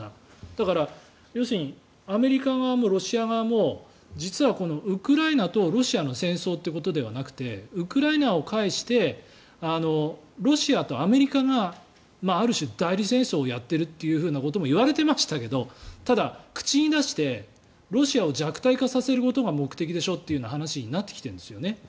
だから、要するにアメリカ側もロシア側も実は、このウクライナとロシアの戦争ということではなくてウクライナを介してロシアとアメリカがある種、代理戦争をやっているってこともいわれていましたけどただ、口に出してロシアを弱体化させることが目的でしょという話になってきているんですよね。